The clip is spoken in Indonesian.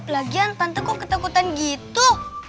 lagian tante kok ketakutan gitu